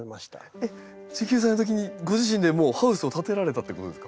えっ１９歳の時にご自身でもうハウスを建てられたってことですか？